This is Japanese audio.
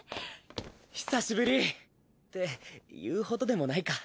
久しぶりって言うほどでもないか。